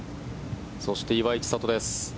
そして岩井千怜です。